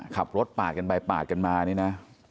ขับรถปาดกันไปปาดกันมานี่นะ